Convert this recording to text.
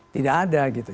tidak ada gitu